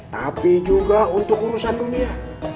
tapi juga untuk urusan dunia